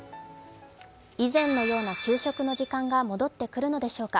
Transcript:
以前のような給食の時間が戻ってくるのでしょうか。